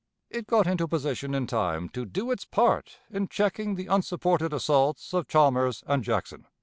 It got into position in time to do its part in checking the unsupported assaults of Chalmers and Jackson."